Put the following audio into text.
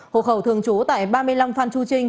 hộ khẩu thường trú tại ba mươi năm phan chu trinh